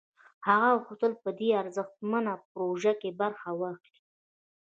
هغه غوښتل په دې ارزښتمنه پروژه کې برخه واخلي